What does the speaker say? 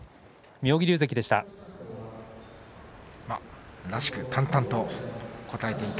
妙義龍関でした。